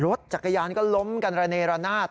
รถจักรยานก็ล้มกันระเนรนาศ